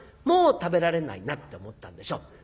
もう食べられないなって思ったんでしょう。